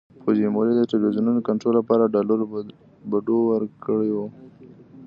فوجیموري د ټلویزیونونو کنټرول لپاره ډالرو بډو ورکړي وو.